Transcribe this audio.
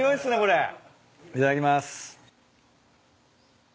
いただきます。